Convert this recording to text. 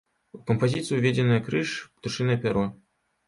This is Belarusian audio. У кампазіцыю ўведзеныя крыж, птушынае пяро.